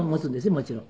もちろん。